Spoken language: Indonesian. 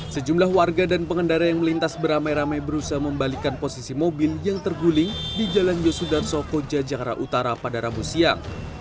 sejumlah warga dan pengendara yang melintas beramai ramai berusaha membalikan posisi mobil yang terguling di jalan yosudarso koja jakarta utara pada rabu siang